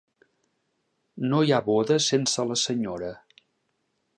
No hi ha boda sense la senyora.